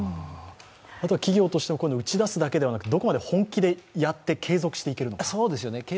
企業としても打ち出すだけではなくてどこまで本気でやって継続していけるのか。